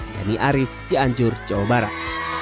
denny aris cianjur jawa barat